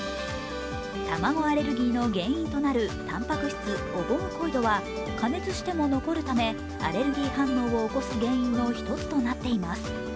卵アレルギーの原因となるたんぱく質・オボムコイドは加熱しても残るためアレルギー反応を起こす原因の一つとなっています。